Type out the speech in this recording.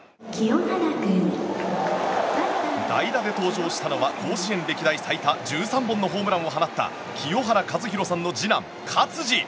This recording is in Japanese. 代打で登場したのは甲子園歴代最多１３本のホームランを放った清原和博さんの次男・勝児。